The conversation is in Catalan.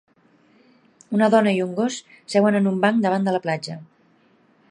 Una dona i un gos seuen en un banc davant de la platja.